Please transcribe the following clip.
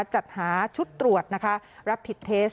จัดหาชุดตรวจรับผิดเทส